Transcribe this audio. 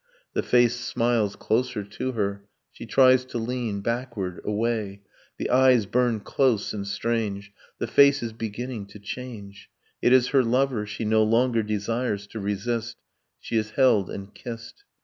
. The face smiles closer to hers, she tries to lean Backward, away, the eyes burn close and strange, The face is beginning to change, It is her lover, she no longer desires to resist, She is held and kissed.